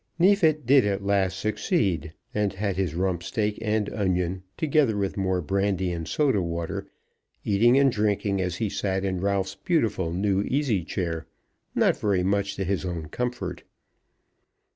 Neefit did at last succeed, and had his rump steak and onion, together with more brandy and soda water, eating and drinking as he sat in Ralph's beautiful new easy chair, not very much to his own comfort.